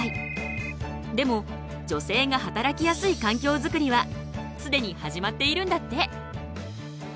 でも女性が働きやすい環境づくりはすでに始まっているんだって。